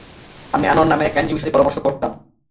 আমি আনোয়ার নামের এক আইনজীবীর সাথে পরামর্শ করতাম।